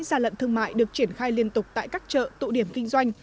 gia lận thương mại được triển khai liên tục tại các chợ tụ điểm kinh doanh